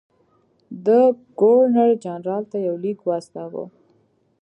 ده ګورنرجنرال ته یو لیک واستاوه.